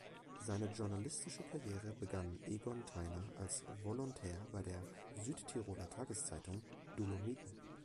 Seine journalistische Karriere begann Egon Theiner als Volontär bei der Südtiroler Tageszeitung "Dolomiten".